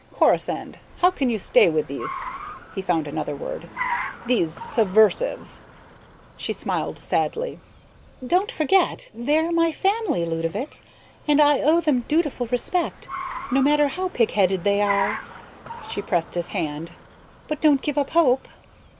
"Corisande, how can you stay with these " he found another word "these subversives?" She smiled sadly. "Don't forget: they're my family, Ludovick, and I owe them dutiful respect, no matter how pig headed they are." She pressed his hand. "But don't give up hope."